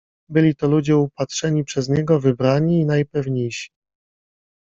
Byli to ludzie upatrzeni przez niego, wybrani i najpewniejsi.